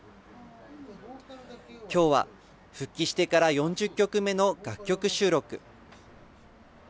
きょうは、復帰してから４０曲目の楽曲収録。